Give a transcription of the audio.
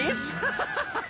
ハハハッ！